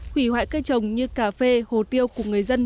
hủy hoại cây trồng như cà phê hồ tiêu của người dân